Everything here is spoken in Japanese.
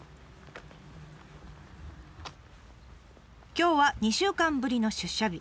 今日は２週間ぶりの出社日。